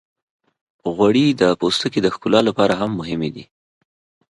غوړې د پوستکي د ښکلا لپاره هم مهمې دي.